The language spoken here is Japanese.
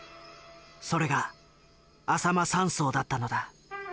それがあさま山荘だったのだ。